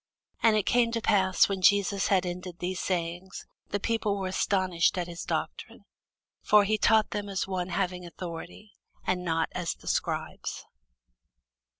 And it came to pass, when Jesus had ended these sayings, the people were astonished at his doctrine: for he taught them as one having authority, and not as the scribes.